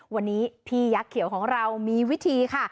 วันนี้พี่ยักษ์เขียวของเรามีวิธีค่ะ